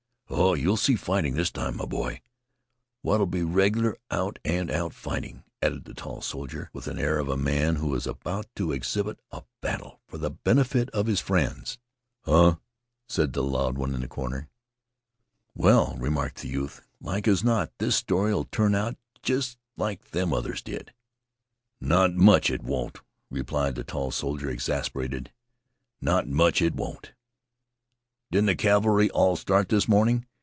"Oh, you'll see fighting this time, my boy, what'll be regular out and out fighting," added the tall soldier, with the air of a man who is about to exhibit a battle for the benefit of his friends. "Huh!" said the loud one from a corner. "Well," remarked the youth, "like as not this story'll turn out jest like them others did." "Not much it won't," replied the tall soldier, exasperated. "Not much it won't. Didn't the cavalry all start this morning?"